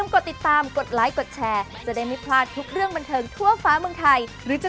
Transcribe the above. ก็ดูแลกันด้วย